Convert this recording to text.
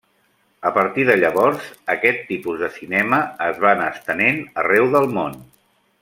A partir de llavors, aquest tipus de cinema es va anar estenent arreu del món.